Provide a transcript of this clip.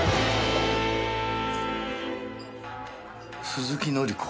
鈴木紀子。